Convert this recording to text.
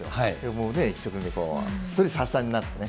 もうね、一生懸命ストレス発散になってね。